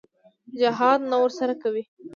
جهاد نه ورسره کوي.